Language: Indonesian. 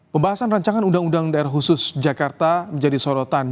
pembahasan rancangan undang undang daerah khusus jakarta menjadi sorotan